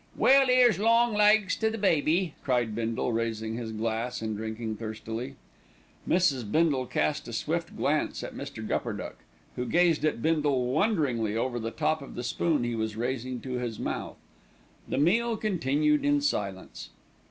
"Well, 'ere's long legs to the baby!" cried Bindle, raising his glass and drinking thirstily. Mrs. Bindle cast a swift glance at Mr. Gupperduck, who gazed at Bindle wonderingly over the top of the spoon he was raising to his mouth. The meal continued in silence.